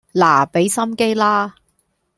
嗱畀心機啦